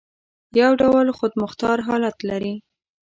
یو ډول خودمختار حالت لري.